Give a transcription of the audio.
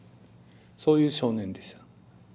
そういう少年でした。